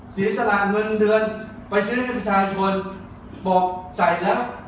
ศีรษะหลากเงินเดือนไปชื่นให้ประชาชนบอกใส่แล้ว